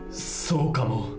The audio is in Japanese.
そうかも。